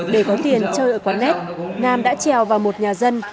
để có tiền chơi ở quán net nam đã trèo vào một nhà dân